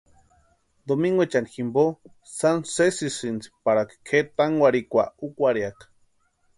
Domiguchani jimpo sáni sésisïnti parika kʼeri tánkwarhikwa úkwarhiaka.